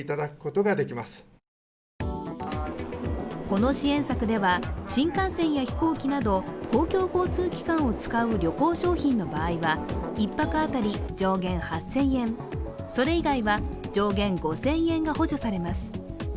この支援策では、新幹線や飛行機など公共交通機関を使う旅行商品の場合は、１泊当たり上限８０００円、それ以外は上限５０００円が補助されます。